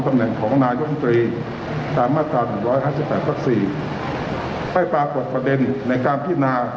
ตำแหน่งของนายมตรีตามมาตรา๑๕๘วัก๔ให้ปรากฏประเด็นในการพินา